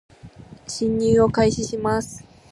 進入を開始します